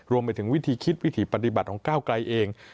รวมไปถึงวิธีคิดวิถีปฏิบัติของก้าวไกลเอง